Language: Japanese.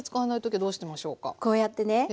こうやってね